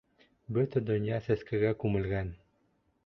Бөтә донъя сәскәгә күмелгән.